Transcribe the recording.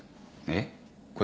えっ？